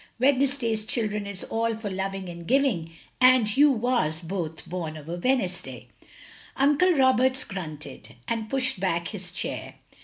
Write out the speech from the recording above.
Wed nesday's childrai is all for loving and giving, and you was both bom of a Wednesday. " Uncle Roberts grunted, and pushed back his chair.